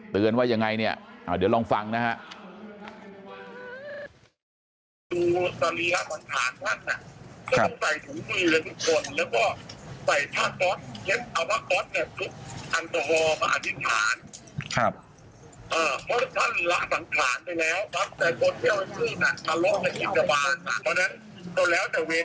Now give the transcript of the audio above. เตือนว่ายังไงเนี่ยเดี๋ยวลองฟังนะฮะ